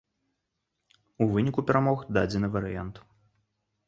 У выніку перамог дадзены варыянт.